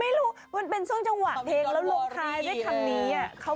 ไม่รู้มันเป็นส่วนจังหวะเพศและลงคลายด้วยคำนี้อะ